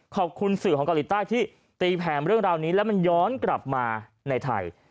ขอบคุณสื่อของเกาหลีใต้ที่ตีแผนเรื่องราวนี้แล้วมันย้อนกลับมาในไทย